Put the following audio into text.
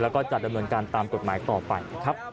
แล้วก็จัดดำเนินการตามกฎหมายต่อไปนะครับ